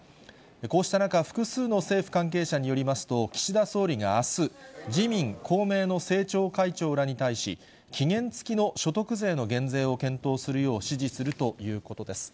こうした中、複数の政府関係者によりますと、岸田総理があす、自民、公明の政調会長らに対し、期限付きの所得税の減税を検討するよう指示するということです。